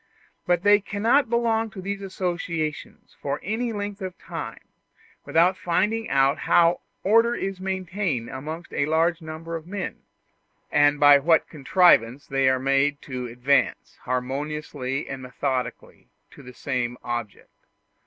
But they cannot belong to these associations for any length of time without finding out how order is maintained amongst a large number of men, and by what contrivance they are made to advance, harmoniously and methodically, to the same object.